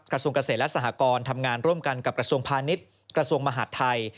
กระทรวงเกษตรและสหกรณ์ทำงานร่วมกันกับกระทรวงพาณิชย์กระทรวงมหาดไทย